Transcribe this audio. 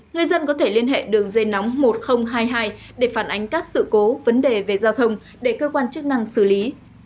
người dân có thể liên hệ đường dây nóng một nghìn hai mươi hai để phản ánh các sự cố vấn đề về giao thông để cơ quan chức năng xử lý